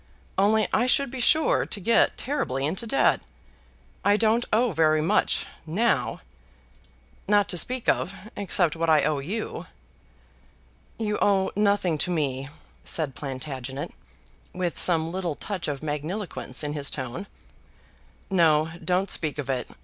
Only I should be sure to get terribly into debt. I don't owe very much, now, not to speak of, except what I owe you." "You owe nothing to me," said Plantagenet, with some little touch of magniloquence in his tone. "No; don't speak of it.